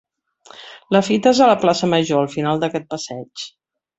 La fita és a la plaça Major, al final d'aquest passeig.